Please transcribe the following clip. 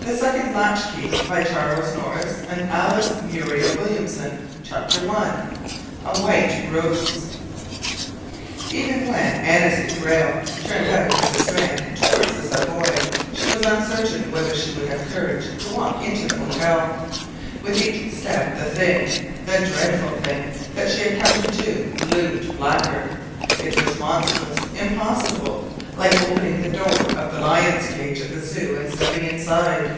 The Allegory XXVI. The Three Words THE SECOND LATCHKEY CHAPTER I A WHITE ROSE Even when Annesley Grayle turned out of the Strand toward the Savoy she was uncertain whether she would have courage to walk into the hotel. With each step the thing, the dreadful thing, that she had come to do, loomed blacker. It was monstrous, impossible, like opening the door of the lions' cage at the Zoo and stepping inside.